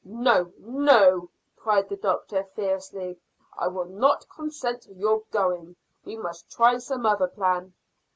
"No, no," cried the doctor fiercely. "I will not consent to your going. We must try some other plan."